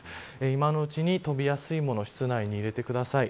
今のうちに飛びやすいものを室内に入れてください。